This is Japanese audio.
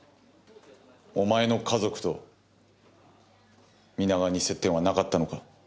お前の家族と皆川に接点はなかったのか？